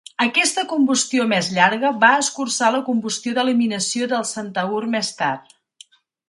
Aquesta combustió més llarga va escurçar la combustió d'eliminació del Centaur més tard.